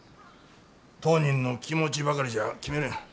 当人の気持ちばかりじゃ決めれん。